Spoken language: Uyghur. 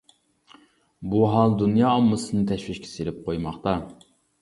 بۇ ھال دۇنيا ئاممىسىنى تەشۋىشكە سېلىپ قويماقتا.